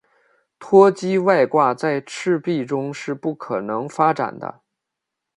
脱机外挂在赤壁中是不可能发展的。